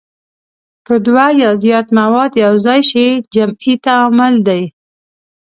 که دوه یا زیات مواد یو ځای شي جمعي تعامل دی.